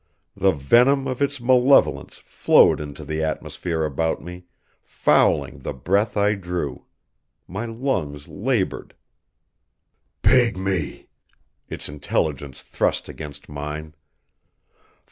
The venom of Its malevolence flowed into the atmosphere about me, fouling the breath I drew. My lungs labored. "Pygmy," Its intelligence thrust against mine.